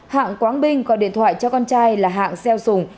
hãng quáng binh có điện thoại cho con trai là hãng xeo sùng